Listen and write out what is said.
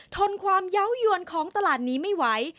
ทนความเยาว์ยวนของตลาดนี้ไม่ไหว